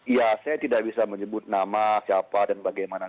ya saya tidak bisa menyebut nama siapa dan bagaimana